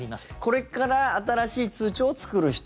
これから新しい通帳を作る人。